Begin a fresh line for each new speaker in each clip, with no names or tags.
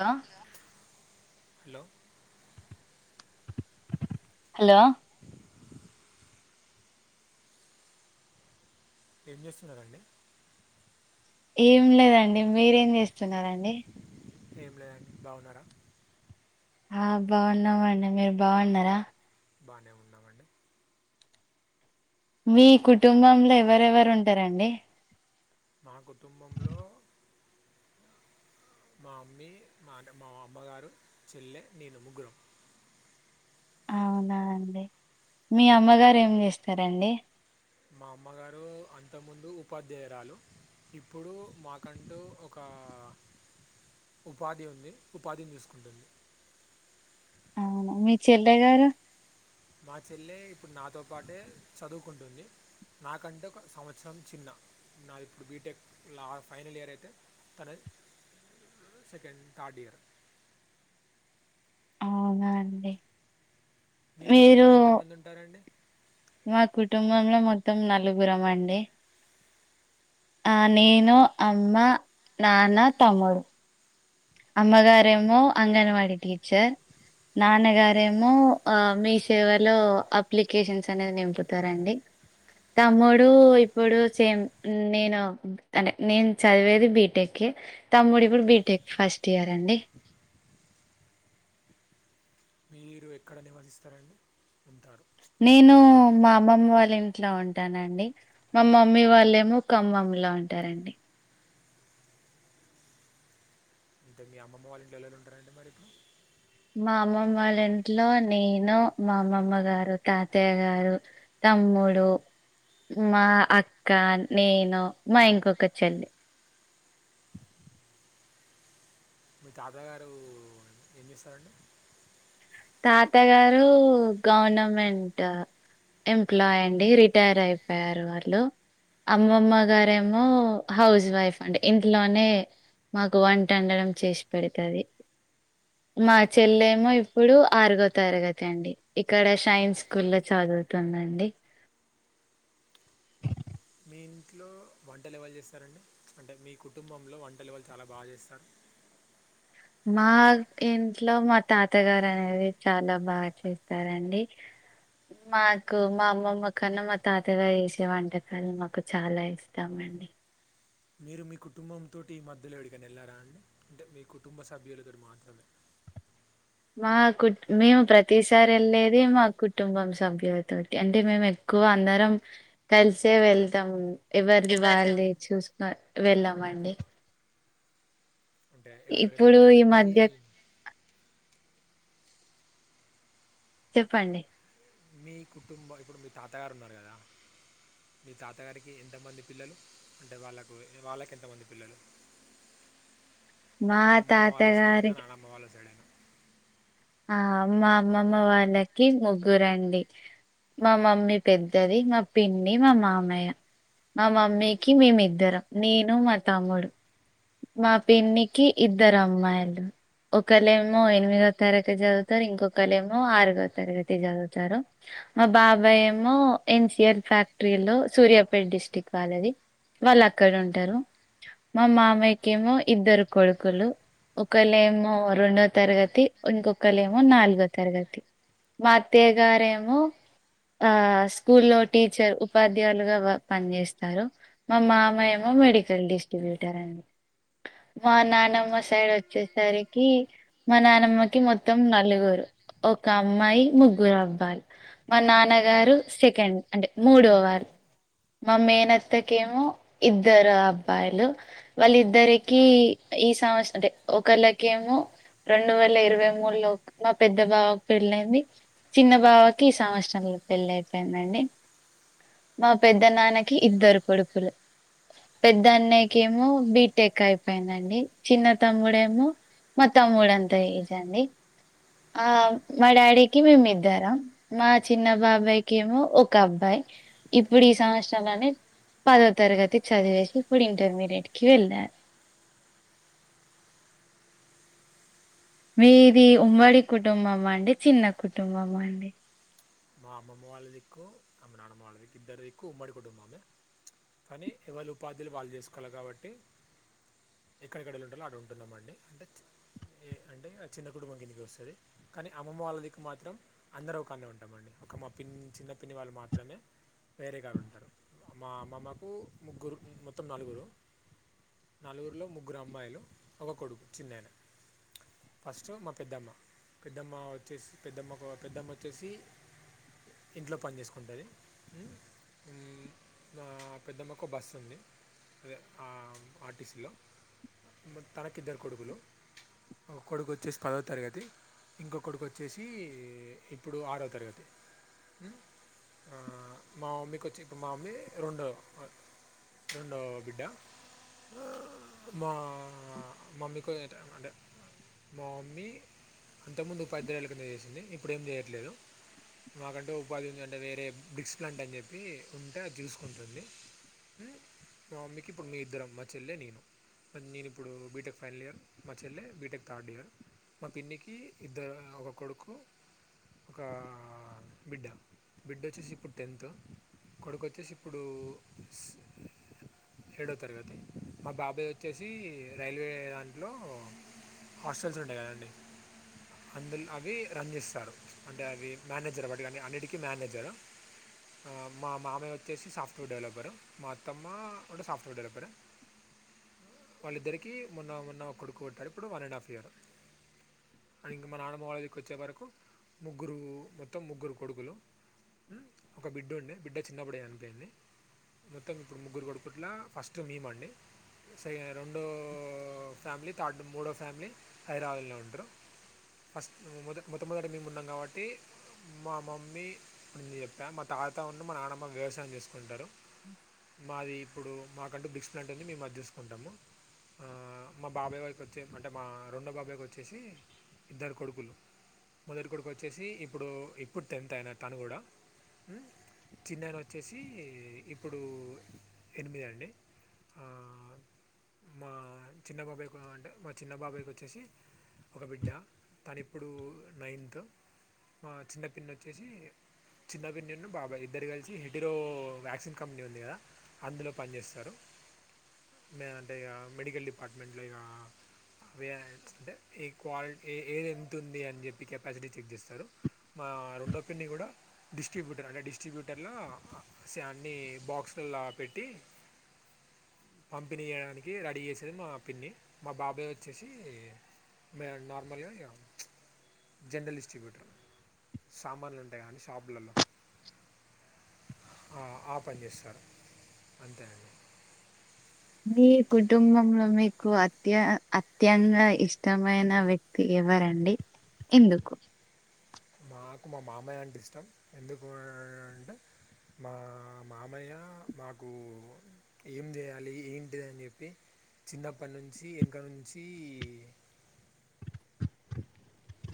hello
hello
hello
ఏం చేస్తున్నారండి
ఏం లేదండి మీరేం చేస్తున్నారండి
ఏం లేదండి బాగున్నారా
ఆ బాగున్నామండి మీరు బావున్నారా
బానే ఉన్నామండి
మీ కుటుంబంలో ఎవరెవరు ఉంటారండి
మా కుటుంబంలో మా అమ్మీ మా మా అమ్మగారు చెల్లె నేను ముగ్గురం
అవునా అండి మీ అమ్మగారు ఏం చేస్తారండి
మా అమ్మగారు అంత ముందు ఉపాధ్యాయురాలు ఇప్పుడు మాకంటూ ఒక ఉపాధి ఉంది ఉపాధిని చూసుకుంటుంది
అవునా మీ చెల్లె గారు
మా చెల్లె ఇప్పుడు నాతో పాటే చదువుకుంటుంది నాకంటే ఒక సంవత్సరం చిన్న నాది ఇప్పుడు నా బీటెక్ ఫైనల్ ఇయర్ అయితే తన సెకండ్ థర్డ్ ఇయర్
అవునా అండి
మీ
మీరు
కుటుంబంలో ఎంతమంది ఉంటారండి
మా కుటుంబంలో మొత్తం నలుగురం అండి ఆ నేను అమ్మ నాన్న తమ్ముడు
ఆ,
అమ్మగారేమో అంగన్వాడీ టీచర్ నాన్నగారేమో ఆ మీ సేవలో అప్లికేషన్స్ అనేది నింపుతారండి తమ్ముడు ఇప్పుడు సేమ్ నేను తనే నేను చదివేది బీటెక్కె తమ్ముడు ఇపుడు బీటెక్ ఫస్ట్ ఇయర్ అండి
మీరు ఎక్కడ నివసిస్తారండి ఉంటారు అంటే
నేను
మీ
మా అమ్మమ్మ వాళ్ళ ఇంట్లో ఉంటానండి మామమ్మీ వాళ్ళు ఏమో ఖమ్మంలో ఉంటారండి
అంటే మీ అమ్మమ్మ వాళ్ళ ఇంట్లో ఎవలెవరు ఉంటారండి మరి ఇప్పుడు
మా అమ్మమ్మ వాళ్ళ ఇంట్లో నేను మా అమ్మమ్మ గారు తాతయ్య గారు తమ్ముడు మా అక్క నేను మా ఇంకొక చెల్లి
మీ తాతగారు ఏం చేస్తారండి
తాత గారు గవర్నమెంట్ ఎంప్లాయ్ అండి రిటైర్ అయిపోయారు వాళ్ళు అమ్మమ్మ గారేమో హౌస్ వైఫ్ అండి ఇంట్లోనే మాకు వంట వండడం చేసి పెడతది మా చెల్లెమో ఇప్పుడు ఆరుగో తరగతి అండి ఇక్కడ షైన్ స్కూల్ లో చదువుతుందండి ఆ
మీ ఇంట్లో వంట లెవలు జేస్తారండి అంటే మీ కుటుంబంలో వంట లెవలు చాలా బాగా చేస్తారు
మా ఇంట్లో మా తాతగారు అనేది చాలా బాగా చేస్తారండి నిజంగా మ్మ్ మాకు మా అమ్మమ్మ కన్నా మా తాతగారు యేసే వంటకాలు మాకు చాలా ఇష్టం అండి
మీరు మీ కుటుంబంతోటి ఈ మధ్యలో యెడికన్నా యెళ్ళారా అండి అంటే మీ కుటుంబ సభ్యులతోటి మాత్రమే
మాకు మేము ప్రతిసారి యెళ్ళేది మా కుటుంబం సభ్యులతోటి అంటే మేము ఎక్కువ అందరం కలిసే వెళ్తాం ఎవరిది వాళ్ళే చూసుకొ వెళ్ళమండి
అంటే ఎవరెవరు
ఇప్పుడు
యెళ్ళారంటే
ఈ
మీ
మధ్య చెప్పండి
మీ కుటుంబ ఇప్పుడు మీ తాతగారు ఉన్నారు గదా మీ తాతగారికి ఎంతమంది పిల్లలు అంటే వాళ్ళకు వాళ్ళకి ఎంతమంది పిల్లలు
మా తాతగారికి
అమ్మ వాళ్ళ సైడ్ అయిన
ఆ మా అమ్మమ్మ వాళ్ళకి ముగ్గురండి మా మమ్మీ పెద్దది మా పిన్ని మా మామయ్య మా మమ్మీకి మేమిద్దరం నేను మా తమ్ముడు మా పిన్నికి ఇద్దరు అమ్మాయిలు ఒకళ్ళేమో ఎనిమిదో తరగతి చదువుతారు ఇంకొకళ్ళేమో ఆరుగో తరగతి చదువుతారు మా బాబాయ్ ఏమో ఎన్సిఎల్ ఫ్యాక్టరీలో సూర్యాపేట్ డిస్టిక్ వాళ్ళది వాళ్ళు అక్కడ ఉంటారు మా మామయ్యకేమో ఇద్దరు కొడుకులు ఒకళ్ళేమో రెండో తరగతి ఇంకొకళ్ళేమో నాలుగో తరగతి మా అత్తయ్య గారేమో ఆ స్కూలో టీచర్ ఉపాధ్యాయులుగా పనిజేస్తారు మా మామ ఏమో మెడికల్ డిస్ట్రిబ్యూటర్ అండి మా నాన్నమ్మ సైడ్ వచ్చేసరికి మా నానమ్మకి మొత్తం నలుగురు ఒక అమ్మాయి ముగ్గురు అబ్బాయిలు మా నాన్నగారు సెకండ్ అంటే మూడో వారు మా మేనత్తకేమో ఇద్దరు అబ్బాయిలు వాళ్ళిద్దరికి ఈ సంవత్సరం అంటే ఒకళ్ళకేమో రెండు వేల ఇరవై మూడులో మా పెద్ద బావ పెళ్ళైంది చిన్న బావకి ఈ సంవత్సరంలో పెళ్ళి అయిపోయిందండి మా పెద్ద నాన్నకి ఇద్దరు కొడుపులు పెద్ద అన్నయ్యకెమో బీటెక్ అయిపోయిందండి చిన్న తమ్ముడేమో తమ్ముడు అంతా ఏజండి ఆ మా డాడీకి మేము ఇద్దరం మా చిన్న బాబాయ్ కెమో ఒక అబ్బాయి ఇప్పుడు ఈ సంవత్సరంలో అనే పదో తరగతి చదివేసి ఇప్పుడు ఇంటర్మీడియట్ కి వెళ్ళాడు మీది ఉమ్మడి కుటుంబం అండి చిన్న కుటుంబం అండి
మా అమ్మమ్మ వాళ్ళ దిక్కు మా నాన్నమ్మ వాళ్ల దిక్కు ఇద్దరి దిక్కు ఉమ్మడి కుటుంబమే కాన ఎవలీ ఉపాధి లు వాళ్ళు చేసుకోవాలి కాబట్టి ఎక్కడెక్కడ ఉంటాలో అడ ఉంటున్నాంమండి అంటే ఏ అంటే ఆ చిన్న కుటుంబం కిందికి వస్తుంది కానీ అమ్మమ్మ వాళ్ళ దిక్కు మాత్రం అందర ఒక కనే ఉంటాం ఉట్టమండి ఒక మా పిన్ని చిన్న పిన్ని వాళ్ళు మాత్రమే వేరే కడ ఉంటారు మా అమ్మమ్మకు ముగ్గురు మొత్తం నలుగురు నలుగురులో ముగ్గురు అమ్మాయిలు ఒక కొడుకు చిన్నయన ఫస్ట్ మా పెద్దమ్మ పెద్దమ్మ వచ్చేసి పెద్దమ్మకు పెద్దమ్మ వచ్చేసి ఇంట్లో పని చేసుకుంటుంది ఉ ఆ పెద్దమ్మకు బస్సు ఉంది అదే ఆర్టీసీలో తనకి ఇద్దరు కొడుకులు ఒక కొడుకు వచ్చేసి పదో తరగతి ఇంకొకడుకు వచ్చేసి ఇప్పుడు ఆరోవ తరగతి ఆ మా మమ్మీ వచ్చి ఇప్పుడు మామ్మీ రెండోదీ రెండో బిడ్డ మా మమ్మీకు ఏ అంటే మా మమ్మీ ఇంతకుముందు ఉపాధ్యాయు ఉపాధ్యాయురాలిగా చేసింది ఇప్పుడు ఏం చేయట్లేదు మాకంటే ఉపాధి అంటే వేరే బ్రిక్స్ ప్లాంట్ అని చెప్పి ఉంటే అది చూసుకుంటుంది మా మమ్మీ ఇప్పుడు ఇద్దరం మా చెల్లె నేను నేను ఇప్పుడు బీటెక్ ఫైనల్ ఇయర్ మా చెల్లె బీటెక్ థర్డ్ ఇయర్ మా పిన్నికి ఇద్దరు ఒక కొడుకు ఒక బిడ్డ బిడ్డ వచ్చేసి ఇప్పుడు టెన్త్ కొడుకు వచ్చేసి ఇప్పుడు ఏడో తరగతి మా బాబాయ్ వచ్చేసి రైల్వే దాంట్లో హాస్టల్స్ ఉంటాయి కదఅండి అందు అవి రన్ చేస్తారు అంటే అవి మేనేజర్ వాటి అన్నిటికీ మేనేజరు మా మామయ్య వచ్చేసి సాఫ్ట్వేర్ డెవలపరు మా అత్తమ్మ కూడా సాఫ్ట్వేర్ డెవలపరు వాళ్ళిద్దరికి మొన్న మొన్న కొడుకు కొట్టారు ఇప్పుడు వన్ అండ్ హాఫ్ ఇయర్ కానీ ఇంక మా నానమ్మ వాళ్ల దిక్కు వచ్చే వరకు ముగ్గురు మొత్తం ముగ్గురు కొడుకులు ఒక బిడ్డ ఉండే బిడ్డ చిన్న అప్పుడే చనిపోయింది మొత్తం ఇప్పుడు ముగ్గురు కొడుకుట్లా ఫస్ట్ మీమాండి స రెండో ఫ్యామిలీ థర్డు మూడో ఫ్యామిలీ హైదరాబాద్లో ఉంటారు ఫస్ట్ మొద మొట్టమొదటి మేము ఉన్నాం కాబట్టి మా మమ్మీ [unintelligible] మా తాత మా నానమ్మ వ్యవసాయం చేసుకుంటారు మాది ఇప్పుడు మాకంటూ [unintelligible] మేము అది చూసుకుంటాము ఆ మా బాబాయ్ వారికి వచ్చే అంటే మా రెండో బాబాయికి వచ్చేసి ఇద్దరు కొడుకులు మొదటి కొడుకు వచ్చేసి ఇప్పుడు ఇప్పుడు టెన్త్ ఐనా తను కూడా చిన్నది వచ్చేసి ఇప్పుడు ఎనిమిది అండి ఆ మా చిన్నబాబాయి అంటే మా చిన్న బాబాయికి వచ్చేసి ఒక బిడ్డ తను ఇప్పుడు నైన్త్ మా చిన్న పిల్ల వచ్చేసి చిన్న పిన్ను బాబాయ్ ఇద్దరు కలిసి హెటీరో వ్యాక్సిన్ కంపెనీ ఉంది కదా అందులో పనిచేస్తారు లేదంటే ఇక మెడికల్ డిపార్ట్మెంట్లో ఇక అదే అంటే ఏ క్వాలిటి ఏది ఎంతుంది అని చెప్పి కెపాసిటీ చెక్ చేస్తారు మా రెండో పిన్ని కూడా డిస్ట్రిబ్యూటర్ అంటే డిస్ట్రిబ్యూటర్లో అన్ని బాక్సల్ల పెట్టి పంపిణీ చేయడానికి రెడీ చేసేది మా పిన్ని మా బాబాయ్ వచ్చేసి మ నార్మల్ గా ఇగ జనరల్ డిస్ట్రిబ్యూటర్ సామాన్లు ఉంటాయి కదండి షాపులలో ఆ ఆ పని చేస్తారు అంతే అండి
మీ కుటుంబంలో మీకు అత్య అత్యంత ఇష్టమైన వ్యక్తి ఎవరండి ఎందుకు
మాకు మా మామయ్య అంటే ఇష్టం ఎందుకు అంటే మా మామయ్య మాకు ఏం చేయాలి ఏంటిది అన్ చెప్పి చిన్నప్పటి నుంచి వెనక నుంచి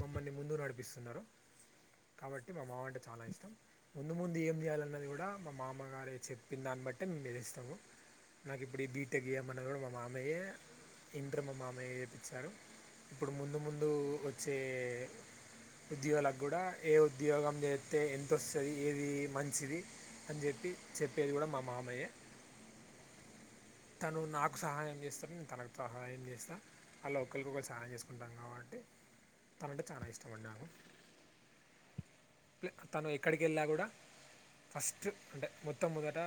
మమ్మల్ని ముందుక్ నడిపిస్తున్నారు కాబట్టి మా మావ అంటే చాలా ఇష్టం ముందు ముందు ఏం చేయాలన్నది కూడా మా మామగారే చెప్పిన దాన్ని బట్టే మేము చేస్తము నాకు ఇప్పుడు ఈ బీటెక్ జేయమన్నా కూడా మా మామయ్యే ఇంటర్ మా మామయ్యే చేపించారు ఇప్పుడు ముందు ముందు వచ్చే ఉద్యోగాలకు కూడా ఏ ఉద్యోగం చేత్తే ఎంతొస్తుంది ఏది మంచిది అని చెప్పి చెప్పేది కూడా మా మామయ్యే తను నాకు సహాయం చేస్తది నేను తనకు సహాయం చేస్త అలా ఒకళ్లకు ఒకల్లు సహాయం చేసుకుంటాం కాబట్టి తనంటే చాలా ఇష్టం అండి నాకు తను ఎక్కడికి వెళ్ళిన కూడా ఫస్ట్ అంటే మొత్తం మొదట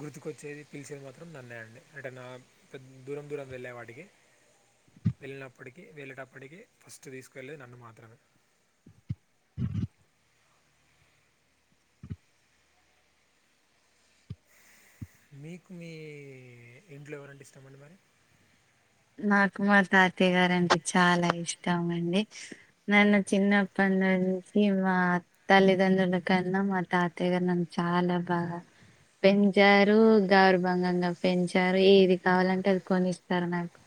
గుర్తుకొచ్చేది పిలిచేది మాత్రం నన్నే అండి అంటే నా పెద్ద దూరం దూరం వెళ్ళే వాటికి వెళ్ళినప్పటికి వెళ్ళేటప్పటికి ఫస్ట్ తీసుకు వెళ్ళేది నన్ను మాత్రమే మీకు మీ ఇంట్లో ఎవరంటే ఇస్టమండి మరి
నాకు మా తాత్యయ గారు అంటే చాలా ఇష్టం అండి నన్ను చిన్నప్పటి నుంచి మా తల్లిదండ్రులు కన్నా మా తాతయ్య గారు చాలా బాగ పెంచారు గౌర్భంగంగా పెంచారు ఏది కావాలంటే అది కొనిస్తారు నాకు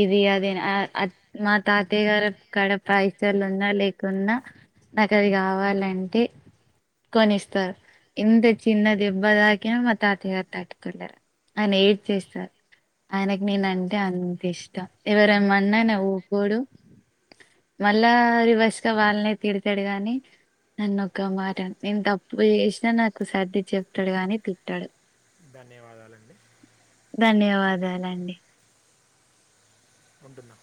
ఇది అది అని మా తాతయ్య గారు కాడ పైసలు ఉన్నా లేకున్నా నాకు అది కావాలంటే కనిస్తస్తారు ఇంత చిన్న దెబ్బతాకిన మ తాత గారు తాట్టుకోలేరు ఆయన ఏడ్ చేస్తారు ఆయనకి నేను అన్ టే అంత ఇష్టం ఎవరమన్న ఆయన ఊరుకోడు మళ్ళా రివర్స్ గా వాళ్ళనే తిడతాడు గాని నన్నొక మాట నేను తప్పు చేసినా నాకు సర్ది చెప్తాడు గానీ తిట్టాడు
ధన్యవాదాలండి
ధన్యవాదాలండి
ఉంటున్నా